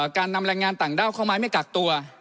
การนำแรงงานต่างด้าวเข้าไม้ไม่กักตัว